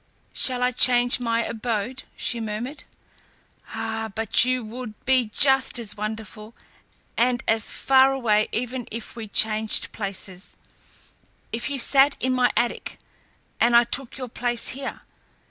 "Shall I change my abode?" she murmured. "Ah! but you would be just as wonderful and as far away even if we changed places if you sat in my attic and I took your place here.